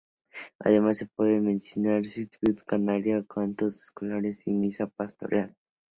Además, se pueden mencionar "Suite Sinfónica Canaria", "Cantos Escolares" y "Misa Pastorela".